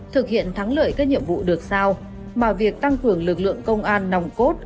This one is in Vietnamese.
thực hiện thắng lợi các nhiệm vụ được sao mà việc tăng cường lực lượng công an nòng cốt